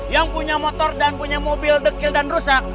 yang punya motor dan punya mobil dekil dan rusak